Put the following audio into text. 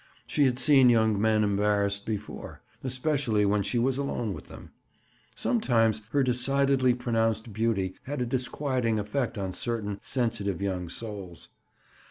She had seen young men embarrassed before—especially when she was alone with them. Sometimes her decidedly pronounced beauty had a disquieting effect on certain sensitive young souls.